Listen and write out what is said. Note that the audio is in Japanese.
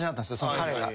その彼が。